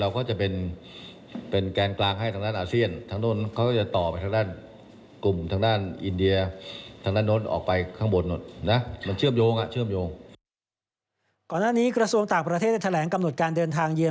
ก่อนหน้านี้กระทรวงต่างประเทศได้แถลงกำหนดการเดินทางเยือน